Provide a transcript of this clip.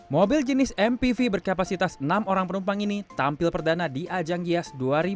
mobil jenis mpv berkapasitas enam orang penumpang ini tampil perdana di ajang gias dua ribu dua puluh